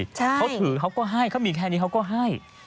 เขาถือเขาก็ให้เขามีแค่นี้เขาก็ให้